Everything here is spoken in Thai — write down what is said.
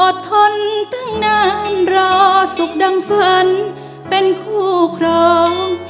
ทนตั้งนานรอสุขดังฝันเป็นคู่ครอง